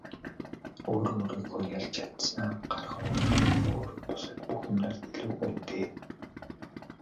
Өөрөө өөрийгөө ялж чадсанаа гарах үр дүн өөр бусад бүх юмнаас илүү үнэтэй.